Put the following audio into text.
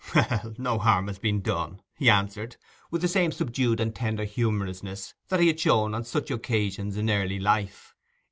'Well, no harm has been done,' he answered, with the same subdued and tender humorousness that he had shown on such occasions in early life.